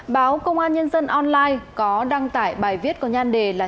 báo công an nhân dân online có đăng tải bài viết có nhan đề là